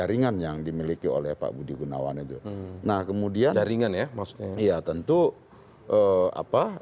jaringan yang dimiliki oleh pak budi gunawan itu nah kemudian jaringan ya maksudnya ya tentu apa